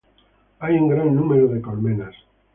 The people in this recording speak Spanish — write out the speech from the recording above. Hay un gran número de colmenas.